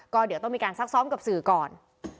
ก็เดี๋ยวต้องมีการซักซ้อมกับสื่อก่อน